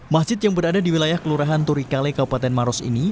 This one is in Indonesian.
masjid yang berada di wilayah kelurahan turikale kabupaten maros ini